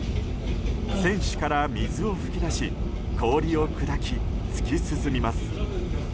船首から水を噴き出し氷を砕き、突き進みます。